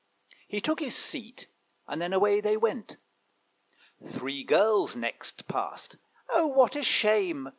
He took his seat, and then away they went. Three girls next passed: 'Oh, what a shame!'